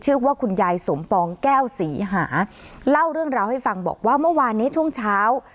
ชื่อว่าคุณยายสมปองแก้วศรีหาเล่าเรื่องราวให้ฟังบอกว่าเมื่อวานนี้ช่วงเช้า